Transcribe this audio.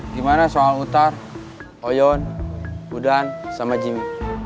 gimana soal utar oyon udan sama jimmy